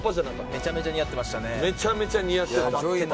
めちゃめちゃ似合ってましたね。